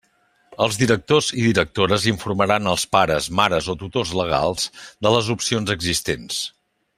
Els directors i directores informaran els pares, mares o tutors legals de les opcions existents.